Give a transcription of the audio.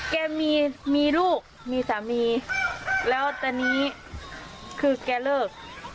แกมีลูกมีสามีแล้วตอนนี้คือแกเลิก